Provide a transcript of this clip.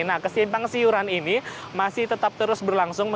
nah kesimpang siuran ini masih tetap terus berlangsung